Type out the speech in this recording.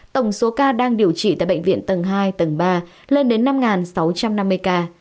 tổng số ca đang điều trị tại bệnh viện tầng hai tầng ba lên đến năm sáu trăm năm mươi ca